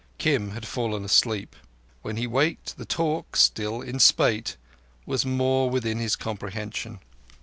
Kim had fallen asleep. When he waked, the talk, still in spate, was more within his comprehension.